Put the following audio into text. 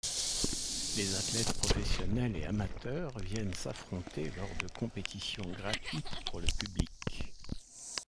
Les athlètes professionnels et amateurs viennent s'affronter lors de compétitions gratuites pour le public.